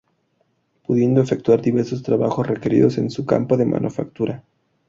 Pudiendo efectuar diversos trabajos requeridos en su campo de manufactura.